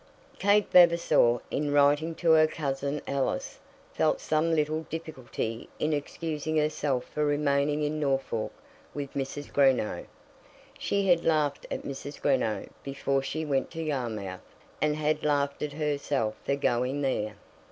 Kate Vavasor, in writing to her cousin Alice, felt some little difficulty in excusing herself for remaining in Norfolk with Mrs. Greenow. She had laughed at Mrs. Greenow before she went to Yarmouth, and had laughed at herself for going there.